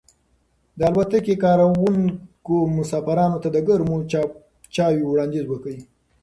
د الوتکې کارکونکو مسافرانو ته د ګرمو چایو وړاندیز وکړ.